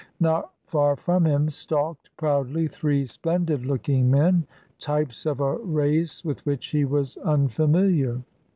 Not far from him stalked proudly three splendid looking men, types of a race with which he was imfamiliar.